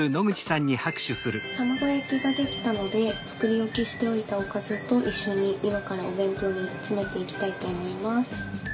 卵焼きが出来たので作り置きしておいたおかずと一緒に今からお弁当に詰めていきたいと思います。